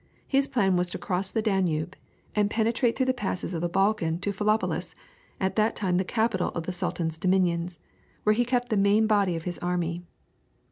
His plan was to cross the Danube, and penetrate through the passes of the Balkan to Philippopolis, at that time the capital of the sultan's dominions, where he kept the main body of his army.